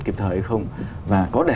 kiểm soát kịp thời hay không và có để